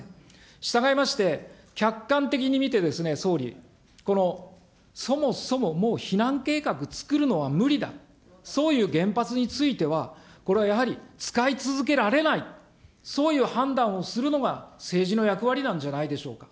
従いまして、客観的に見てですね、総理、そもそももう避難計画つくるのは無理だ、そういう原発については、これはやはり使い続けられない、そういう判断をするのが政治の役割なんじゃないでしょうか。